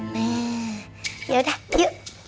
nih yaudah yuk